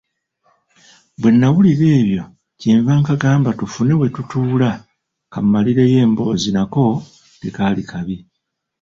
Bwe nawulira ebyo kye nva nkagamba tufune we tutuula kammalireyo emboozi nako tekaali kabi.